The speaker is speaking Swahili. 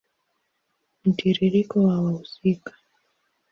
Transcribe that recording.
Mtiririko wa wahusika